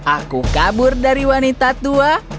aku kabur dari wanita tua